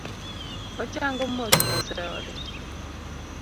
Ochango mos mos e ode